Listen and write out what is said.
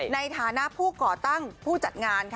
ในฐานะผู้ก่อตั้งผู้จัดงาน